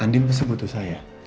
yang tersebut tuh saya